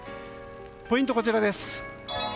ポイント、こちらです。